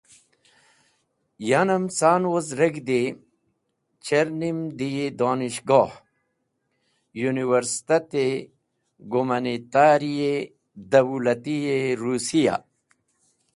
Yanem ca’n woz reg̃hdi cherni’m dẽ yi Donishgoh, Universitet-e Gumanitari-e Dawlati-e Rusiya.